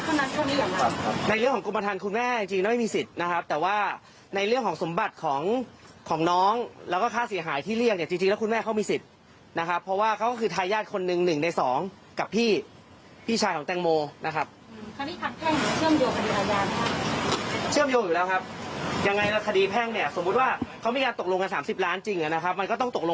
ครับในเรื่องของกุมประทานคุณแม่จริงจริงไม่มีสิทธิ์นะครับแต่ว่าในเรื่องของสมบัติของของน้องแล้วก็ค่าเสียหายที่เรียงเนี่ยจริงจริงแล้วคุณแม่เขามีสิทธิ์นะครับเพราะว่าเขาก็คือทายญาติคนหนึ่งหนึ่งในสองกับพี่พี่ชายของแต้งโมนะครับอืมคราวนี้ทางแพ่งเชื่อมโยคคดีอาญาค่ะเชื่อมโยคอย